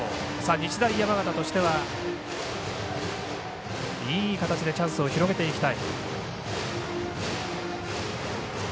日大山形としては、いい形でチャンスを広げていきたい。